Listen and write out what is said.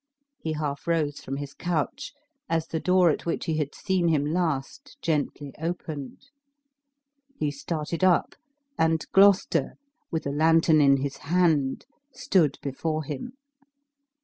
He half rose from his couch, as the door at which he had seen him last gently opened. He started up, and Gloucester, with a lantern in his hand, stood before him.